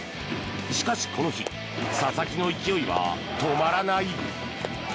しかし、この日佐々木の勢いは止まらない。